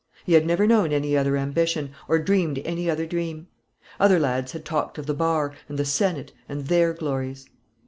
He had never known any other ambition, or dreamed any other dream. Other lads had talked of the bar, and the senate, and their glories.